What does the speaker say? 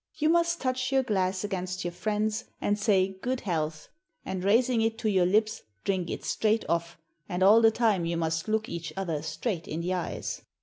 You must touch your glass against your friend's, and say 'good health,' and raising it to your lips drink it straight off, and all the time you must look each other straight in the eyes.